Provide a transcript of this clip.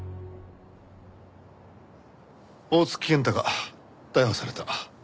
大槻健太が逮捕された。